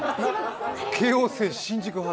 京王線、新宿発。